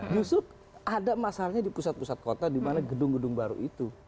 justru ada masalahnya di pusat pusat kota di mana gedung gedung baru itu